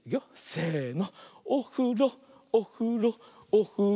せの。